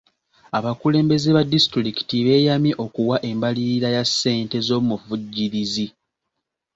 Abakulembeze ba disitulikiti beeyamye okuwa embalirira ya ssente z'omuvujjirizi.